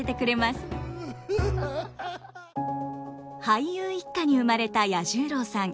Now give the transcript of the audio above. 俳優一家に生まれた彌十郎さん。